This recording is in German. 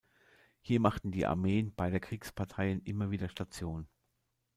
Hier machten die Armeen beider Kriegsparteien immer wieder Station.